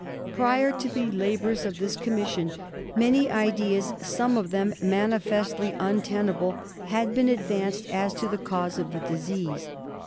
Prior to the labours of this commission many ideas, some of them manifestly untenable, had been advanced as to the cause of the disease.